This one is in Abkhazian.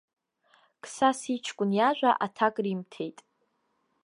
Қсас иҷкәын иажәа аҭак римҭеит.